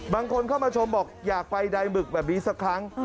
บางคนเข้ามาชมบอกอยากไปใดหมึกแบบนี้สักครั้ง